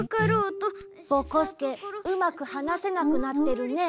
ぼこすけうまくはなせなくなってるね。